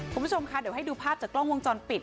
คุณผู้ชมค่ะเดี๋ยวให้ดูภาพจากกล้องวงจรปิด